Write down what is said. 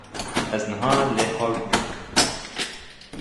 Ez niha lê hay bûm